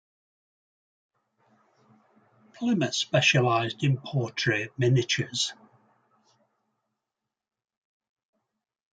Plimer specialised in portrait miniatures.